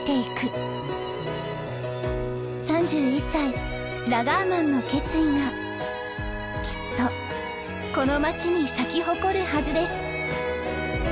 ３１歳ラガーマンの決意がきっとこの町に咲き誇るはずです。